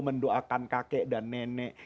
mendoakan kakek dan nenek